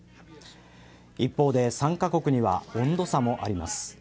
一方で３カ国には温度差もあります。